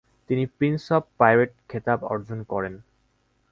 তিনি prince of pirate খেতাব অর্জন করেন।